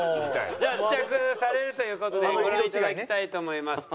じゃあ試着されるという事でご覧いただきたいと思います。